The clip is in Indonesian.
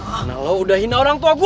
karena lo udah hina orang tua gue